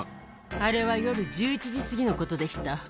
あれは夜１１時過ぎのことでした。